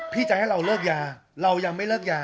จะให้เราเลิกยาเรายังไม่เลิกยา